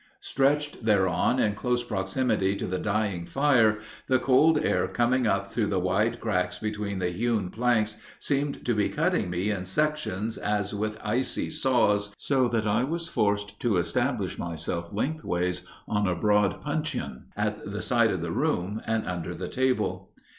Stretched thereon in close proximity to the dying fire, the cold air coming up through the wide cracks between the hewn planks seemed to be cutting me in sections as with icy saws, so that I was forced to establish myself lengthwise on a broad puncheon at the side of the room and under the table.